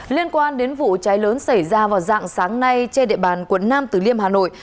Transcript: liên quan đến vụ cháy lớn xảy ra vào dạng sáng nay che địa bàn quận năm từ liêm hà nội